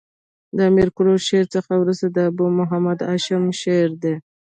د امیر کروړ شعر څخه ورسته د ابو محمد هاشم شعر دﺉ.